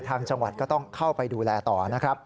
ทางจังหวัดก็ต้องเข้าไปดูแลต่อนะครับ